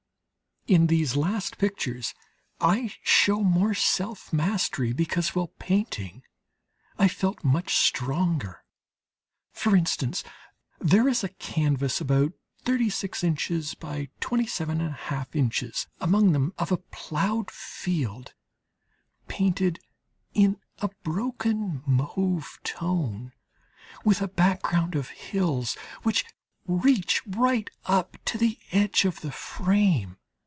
In these last pictures I show more self mastery, because while painting I felt much stronger. For instance, there is a canvas about 36 in. by 27½ in. among them of a ploughed field painted in a broken mauve tone, with a background of hills which reach right up to the edge of the frame.